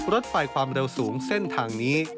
รถไฟความเร็วสูงเส้นทางนี้